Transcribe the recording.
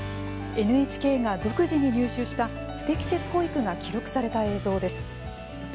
ＮＨＫが独自に入手した不適切保育が記録された映像です。